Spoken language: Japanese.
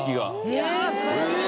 いや素晴らしい。